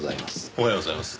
おはようございます。